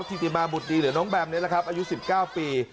ธิติมาบุฏดีเหลือน้องแบมอายุ๑๙ปี